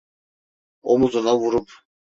Omuzuna vurup: